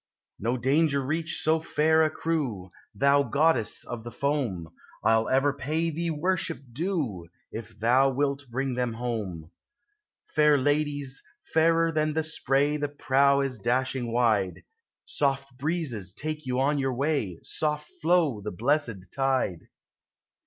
No danger reach so fair a crew ! Thou goddess of the foam, I '11 ever pay thee worship due, If thou wilt bring them home. Fair ladies, fairer than the spray The prow is dashing wide, ThrJ SEASONS. 143 Soft breezes take you on your way, Soft flow the blessed tide.